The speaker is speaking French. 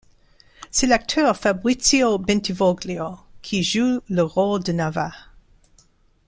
C'est l'acteur Fabrizio Bentivoglio qui joue le rôle de Nava.